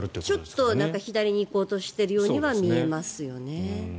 ちょっと左に行こうとしてるようには見えますよね。